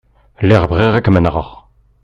Lliɣ bɣiɣ ad kem-nɣeɣ.